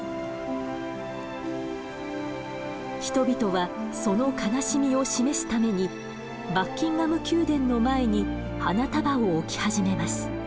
人々はその悲しみを示すためにバッキンガム宮殿の前に花束を置き始めます。